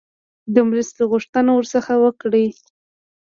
د مرستې غوښتنه ورڅخه وکړي.